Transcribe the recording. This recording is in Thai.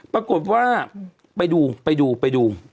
ปรากฏว่าไปดูไปดูไปดู